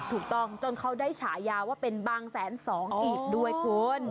ถูกต้องจนเขาได้ฉายาว่าเป็นบางแสนสองอีกด้วยคุณ